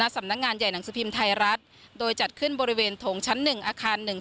สำนักงานใหญ่หนังสภิมศ์ไทยรัฐโดยจัดขึ้นบริเวณโถงชั้นหนึ่งอาคารหนึ่ง